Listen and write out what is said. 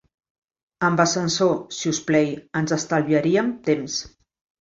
Amb l'ascensor, si us play; ens estalviarem temps.